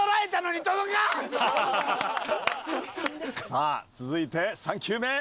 さあ続いて３球目。